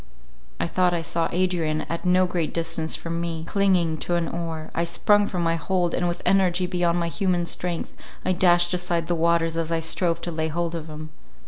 I thought I saw Adrian at no great distance from me, clinging to an oar; I sprung from my hold, and with energy beyond my human strength, I dashed aside the waters as I strove to lay hold of him.